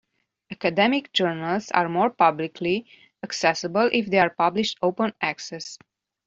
Academic journals are more publicly accessible if they are published open access.